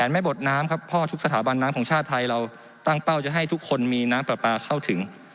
ไม่บดน้ำครับเพราะทุกสถาบันน้ำของชาติไทยเราตั้งเป้าจะให้ทุกคนมีน้ำปลาปลาเข้าถึง